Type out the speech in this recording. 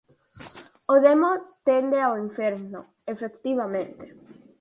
O demo tende ao inferno, efectivamente.